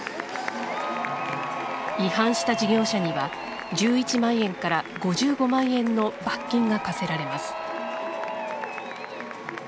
違反した事業者には１１万円から５５万円の罰金が課せられます。